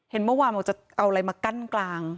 เมื่อวานบอกจะเอาอะไรมากั้นกลาง